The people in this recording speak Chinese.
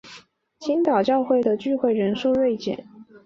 青岛教会的聚会人数锐减。